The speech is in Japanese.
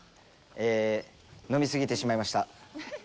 飲み過ぎてしまいました。